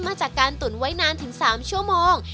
มาจากการตุ๋นไว้นานถึง๓ชั่วโมง